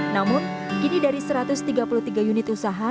namun kini dari satu ratus tiga puluh tiga unit usaha